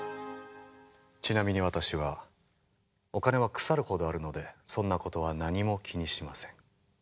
ちなみに私はお金は腐るほどあるのでそんなことは何も気にしません。